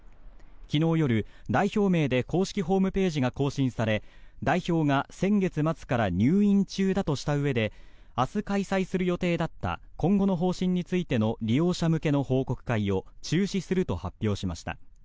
昨日夜、代表名で公式ホームページが更新され代表が先月末から入院中だとしたうえで明日開催する予定だった今後の方針についての利用者向けの報告会を中止すると発表しました。